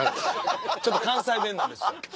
ちょっと関西弁なんですよ